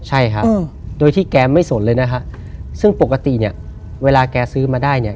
ใช่ครับโดยที่แกไม่สนเลยนะฮะซึ่งปกติเนี่ยเวลาแกซื้อมาได้เนี่ย